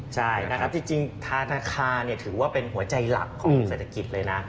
ใช่นะครับจริงธนาคารถือว่าเป็นหัวใจหลักของเศรษฐกิจเลยนะ